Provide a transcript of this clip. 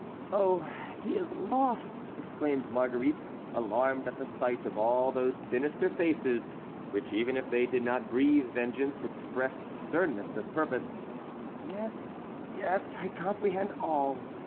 "Oh, he is lost!" exclaimed Marguerite, alarmed at the sight of all those sinister faces, which even if they did not breathe vengeance, expressed sternness of purpose. "Yes, yes! I comprehend all.